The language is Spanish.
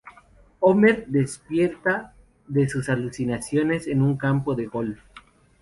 Homer "despierta" de sus alucinaciones, en un campo de golf.